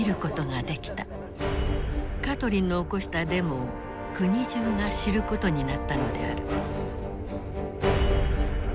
カトリンの起こしたデモを国中が知ることになったのである。